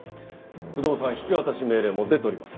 不動産引渡命令も出ております。